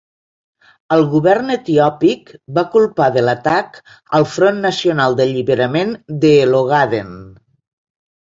El govern etiòpic va culpar de l'atac al Front Nacional d'Alliberament de l'Ogaden.